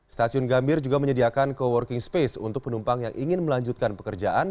stasiun gambir juga menyediakan co working space untuk penumpang yang ingin melanjutkan pekerjaan